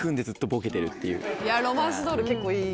ロマンスドール結構いい。